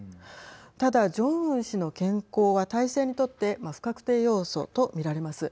ただ、ジョンウン氏の健康は体制にとって不確定要素と見られます。